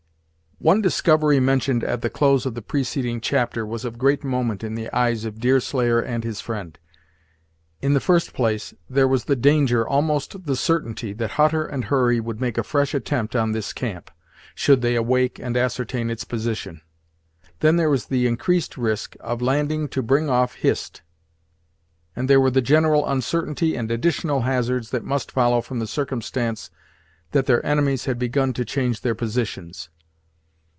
One discovery mentioned at the close of the preceding chapter was of great moment in the eyes of Deerslayer and his friend. In the first place, there was the danger, almost the certainty, that Hutter and Hurry would make a fresh attempt on this camp, should they awake and ascertain its position. Then there was the increased risk of landing to bring off Hist; and there were the general uncertainty and additional hazards that must follow from the circumstance that their enemies had begun to change their positions.